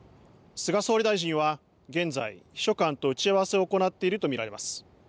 菅総理大臣は現在、秘書官と打ち合わせを行っていると見られます。